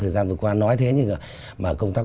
thời gian vừa qua nói thế nhưng mà công tác